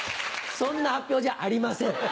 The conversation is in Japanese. そんな発表じゃありません。